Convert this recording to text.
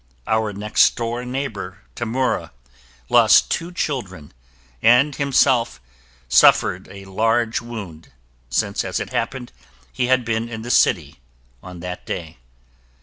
Our next door neighbor, Tamura, lost two children and himself suffered a large wound since, as it happened, he had been in the city on that day.